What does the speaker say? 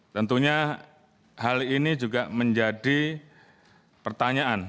tentunya hal ini juga menjadi pertanyaan